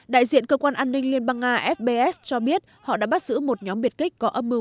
đại diện cơ quan an ninh liên bang nga fbs cho biết họ đã bắt giữ một nhóm biệt kích có âm mưu